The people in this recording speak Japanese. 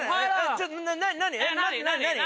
ちょっと何？